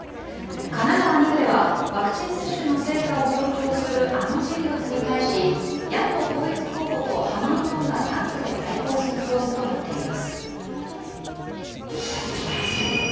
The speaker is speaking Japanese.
神奈川２区ではワクチン接種の成果を強調するあの人物に対し、野党統一候補とハマのドンがタッグで対抗する構図となっています。